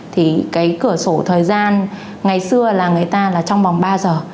thì cái cửa sổ thời gian ngày xưa là người ta là trong vòng ba giờ